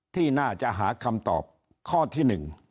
ที่น่าจะหาคำตอบข้อที่๑